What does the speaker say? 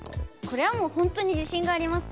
これはもう本当に自信があります。